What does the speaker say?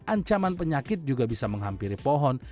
ancaman penyakit juga bisa menghampiri pohon